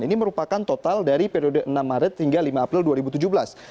ini merupakan total dari periode enam maret hingga lima april dua ribu tujuh belas